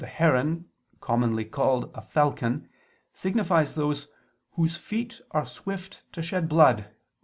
herodionem], commonly called a falcon, signifies those whose "feet are swift to shed blood" (Ps.